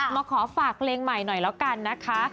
มาขอฝากเพลงใหม่หน่อยแล้วกันนะคะ